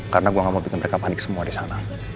karena gua gak mau bikin mereka panik semua disana